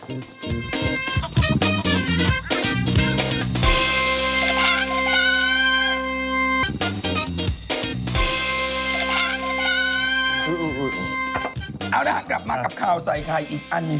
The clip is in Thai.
เอาล่ะกลับมากับข้าวไซค์ไทยอีกอันนี้